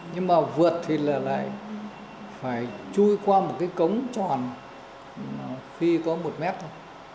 nhưng mà vượt thì là lại phải chui qua một cái cống tròn khi có một mét thôi